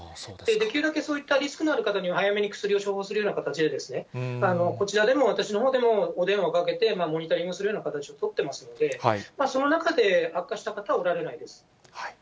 できるだけそういったリスクのある方には、早めに薬を処方するような形で、こちらでも、私のほうでも、お電話かけてモニタリングをするような形を取ってますので、その中で悪化した方はおられないです。